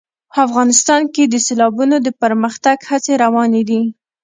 افغانستان کې د سیلابونه د پرمختګ هڅې روانې دي.